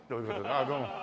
ああどうも。